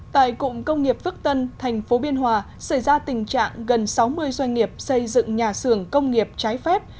tại cụng công nghiệp phước tân thành phố biên hòa xảy ra tình trạng gần sáu mươi doanh nghiệp xây dựng nhà xưởng công nghiệp trái phép